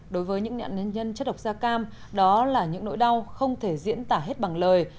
đối với những nạn nhân chất độc da cam đó là những nỗi đau không thể diễn tả hết bằng lời